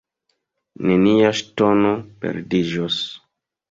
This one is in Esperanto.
Nenia ŝtono perdiĝos.